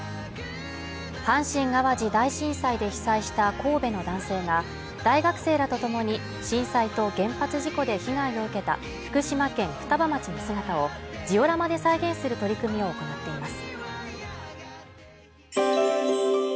阪神淡路大震災で被災した神戸の男性が大学生らとともに、震災と原発事故で被害を受けた福島県双葉町の姿をジオラマで再現する取り組みを行っています。